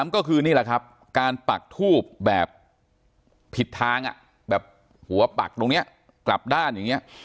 ก็คือนี่แหละครับการปักทูบแบบผิดทางแบบหัวปักตรงนี้กลับด้านอย่างนี้